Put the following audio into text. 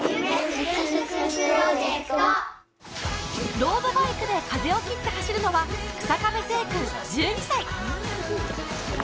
ロードバイクで風を切って走るのは日下部惺君１２歳。